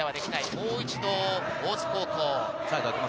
もう一度、大津高校。